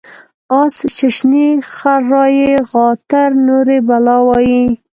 اس ششني ، خر رایي غاتر نوري بلا وایي.